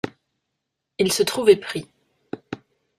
Ils se trouvaient pris.